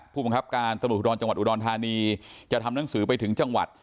ผู้บังคับการตำรวจภูทรจังหวัดอุดรธานีจะทำหนังสือไปถึงจังหวัด